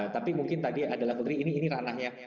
tapi mungkin tadi ada level tiga ini ranah ya